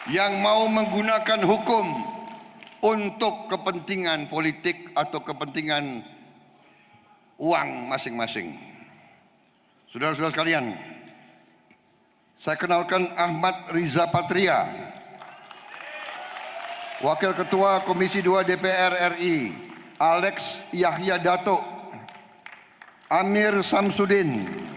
wakil ketua komisi dua dpr ri alex yahya dato amir samsudin